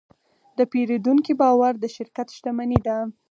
د پیرودونکي باور د شرکت شتمني ده.